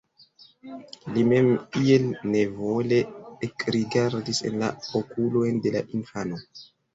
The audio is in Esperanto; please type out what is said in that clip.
Li mem iel nevole ekrigardis en la okulojn de la infano.